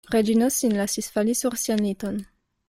Reĝino sin lasis fali sur sian liton.